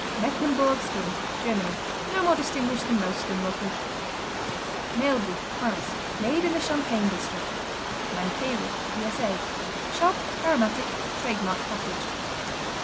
Mecklenburg Skim Germany No more distinguished than most skim milkers. Meilbou France Made in the Champagne district. Mein Käse U.S.A. Sharp; aromatic; trade marked package.